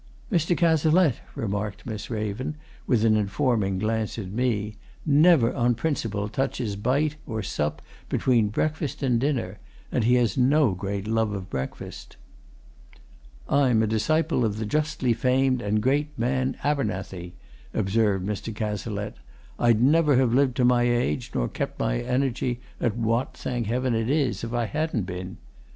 "Mr. Cazalette," remarked Miss Raven, with an informing glance at me, "never, on principle, touches bite or sup between breakfast and dinner and he has no great love of breakfast." "I'm a disciple of the justly famed and great man, Abernethy," observed Mr. Cazalette. "I'd never have lived to my age nor kept my energy at what, thank Heaven, it is, if I hadn't been.